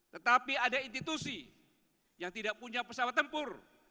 tetapi ada institusi yang tidak punya pesawat tempur